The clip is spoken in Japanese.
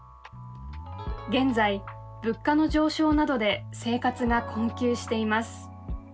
現在物価の上昇などで生活が困窮しています。